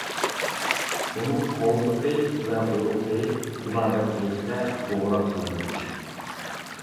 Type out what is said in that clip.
ئۇنىڭ قوۋزىقى ۋە ئۇرۇقى تېبابەتچىلىكتە دورا قىلىنىدۇ.